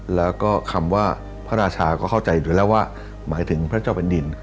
แล้วก็คำว่าพระราชาก็เข้าใจอยู่แล้วว่าหมายถึงพระเจ้าบันดิน